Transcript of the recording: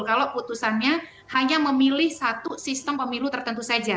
kalau putusannya hanya memilih satu sistem pemilu tertentu saja